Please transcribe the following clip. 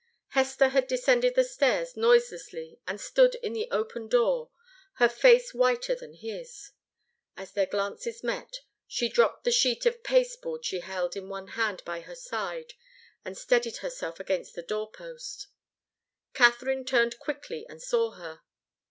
Hester had descended the stairs noiselessly and stood in the open door, her face whiter than his. As their glances met, she dropped the sheet of pasteboard she held in one hand by her side, and steadied herself against the door post. Katharine turned quickly and saw her.